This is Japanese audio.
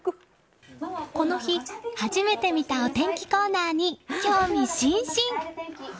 この日、初めて見たお天気コーナーに興味津々。